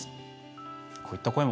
こういった声も。